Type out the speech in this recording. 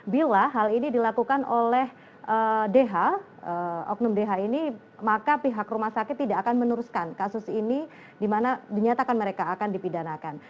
bila hal ini dilakukan oleh dh oknum dh ini maka pihak rumah sakit tidak akan meneruskan kasus ini di mana dinyatakan mereka akan dipidanakan